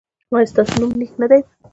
ایا ستاسو نوم نیک نه دی؟